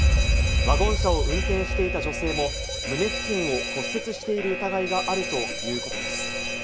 ワゴン車を運転していた女性も、胸付近を骨折している疑いがあるということです。